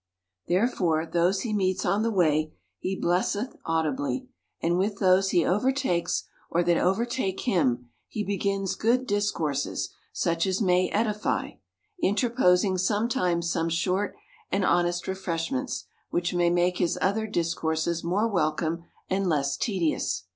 Therefore those he meets on the way he blesseth audibly : and with those he overtakes, or 40 THE COUNTRY PARSON. that overtake him, he begins good discourses, such as may edify ; interposing sometimes some short and hon est refreshments, which may make his other discourses more welcome, and less tedious.